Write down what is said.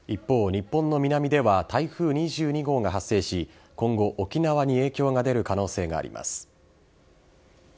日本の南では台風２２号が発生し今後、沖縄に影響が出る可能性があります。